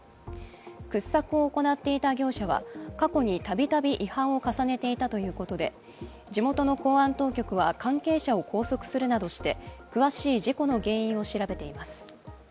掘削を行っていた業者は過去に度々違反を重ねていたということで、地元の公安当局は、関係者を拘束するなどして詳しい事故の原因を調べています。